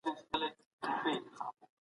هیڅ قانون د ماشومانو د واده اجازه نه ورکوي.